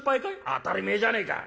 「当たり前じゃねえか。